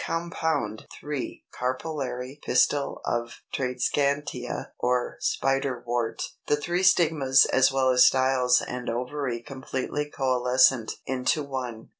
330. Compound 3 carpellary pistil of Tradescantia or Spiderwort; the three stigmas as well as styles and ovary completely coalescent into one.